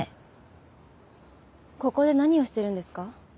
ここで何をしてるんですか？